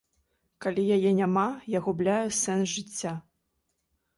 Калі яе няма, я губляю сэнс жыцця.